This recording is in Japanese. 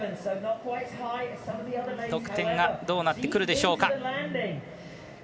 得点がどうなってくるでしょうか。